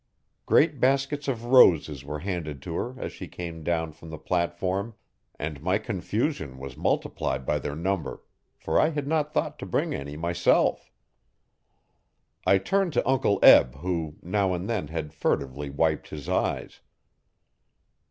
Great baskets of roses were handed to her as she came down from the platform and my confusion was multiplied by their number for I had not thought to bring any myself. I turned to Uncle Eb who, now and then, had furtively wiped his eyes.